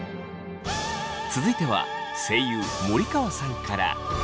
続いては声優森川さんから。